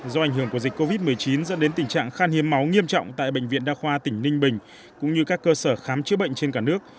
do ảnh hưởng của dịch covid một mươi chín dẫn đến tình trạng khan hiếm máu nghiêm trọng tại bệnh viện đa khoa tỉnh ninh bình cũng như các cơ sở khám chữa bệnh trên cả nước